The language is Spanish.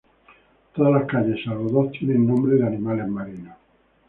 Todas las calles salvo dos tienen nombre de animales marinos.